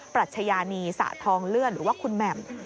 รัชญานีสะทองเลื่อนหรือว่าคุณแหม่ม